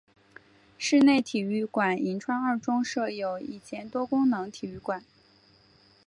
室内体育馆银川二中设有一间多功能体育馆。